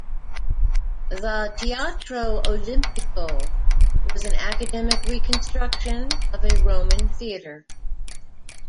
The Teatro Olimpico was an academic reconstruction of a Roman theatre.